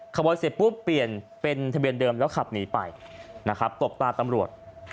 เสร็จปุ๊บเปลี่ยนเป็นทะเบียนเดิมแล้วขับหนีไปนะครับตบตาตำรวจ